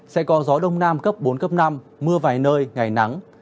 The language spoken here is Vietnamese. sẽ có gió đông nam cấp bốn cấp năm mưa vài nơi ngày nắng